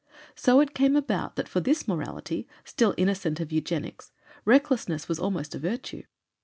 So it came about that for this morality, still innocent of eugenics, recklessness was almost a virtue.